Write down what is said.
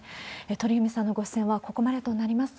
鳥海さんのご出演はここまでとなります。